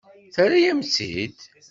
Terra-yam-tt-id.